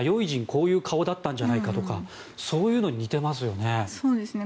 こういう顔だったんじゃないかとかそういうのに似てますよね。